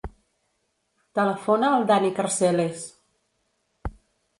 Telefona al Dani Carceles.